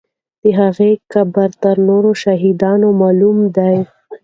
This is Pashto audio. د هغې قبر تر نورو شهیدانو معلوم دی.